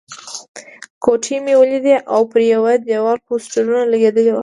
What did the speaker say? کوټې مې ولیدلې او پر یوه دېوال پوسټرونه لګېدلي وو.